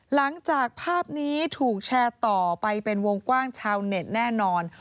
หลังจากภาพนี้ถูกแชร์ต่อไปเป็นวงกว้างชาวเน็ตแน่นอน